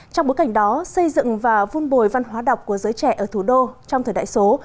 trong bối cảnh đó xây dựng và vun bồi văn hóa đọc của giới trẻ ở thủ đô trong thời đại số